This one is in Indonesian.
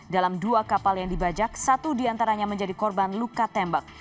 dalam dua kapal yang dibajak satu diantaranya menjadi korban luka tembak